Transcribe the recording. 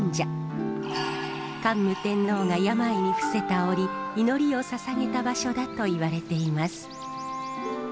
桓武天皇が病に伏せた折祈りをささげた場所だといわれています。